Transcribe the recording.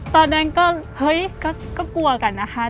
ตอนนั้นก็กลัวกันนะคะ